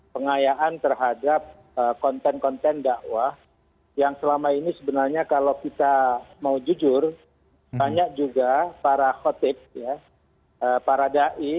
pengayaan terhadap konten konten dakwah yang selama ini sebenarnya kalau kita mau jujur banyak juga para khotib para dai